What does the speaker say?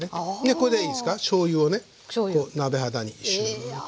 これでいいですかしょうゆをこう鍋肌にシューッと。